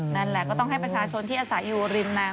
นั่นแหละก็ต้องให้ประชาชนที่อาศัยอยู่ริมนาง